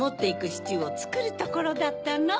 シチューをつくるところだったの。